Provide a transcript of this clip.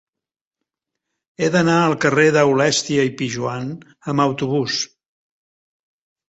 He d'anar al carrer d'Aulèstia i Pijoan amb autobús.